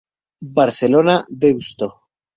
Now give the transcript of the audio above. Barcelona: Deusto.